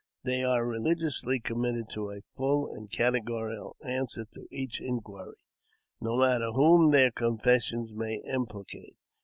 They are religiously committed to a full and categorical answer to each inquiry, no matter whom their confession may implicate.